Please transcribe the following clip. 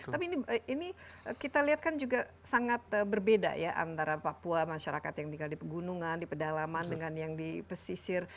tapi ini kita lihat kan juga sangat berbeda ya antara papua masyarakat yang tinggal di pegunungan di pedalaman dengan yang di pesisir